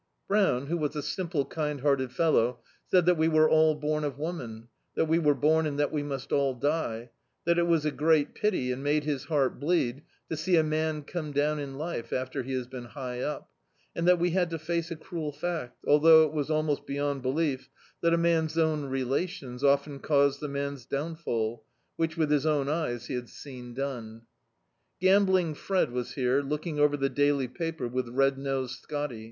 Brown, who was a simple, kind hearted fellow, said that we were all bom of woman; that we were bom and that we must all die; that it was a great pity, and made his heart bleed, to see a man come down in life after he has been hi^ up; and that we had to face a cruel fact — although it was almost beyond belief — that a man's own relations often caused the man's downfall which, with his own eyes, he had seen done. "Gambling" Fred was here, looking over the daily paper with "Red Nosed Scotty."